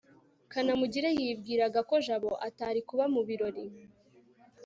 kanamugire yibwiraga ko jabo atari kuba mu birori